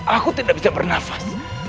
aku tidak bisa bernafas